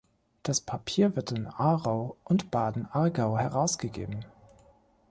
Das Papier wird in Aarau und Baden, Aargau, herausgegeben.